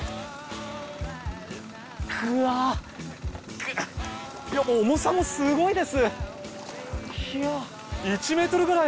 ぐわっぐっ重さもすごいです。